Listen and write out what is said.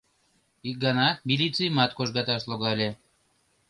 Ик гана милицийымат кожгаташ логале.